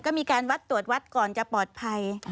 ก็มีการวัดตรวจวัดก่อนจะปลอดภัย